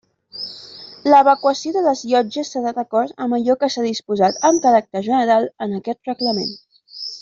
L'evacuació de les llotges serà d'acord amb allò que s'ha disposat, amb caràcter general, en aquest Reglament.